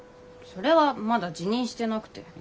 それはまだ自認してなくて。